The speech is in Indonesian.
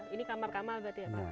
ini kamar kamar berarti ya pak